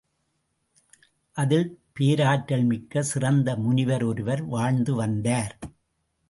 அதில் பேராற்றல் மிக்க சிறந்த முனிவரொருவர் வாழ்ந்து வந்தார்.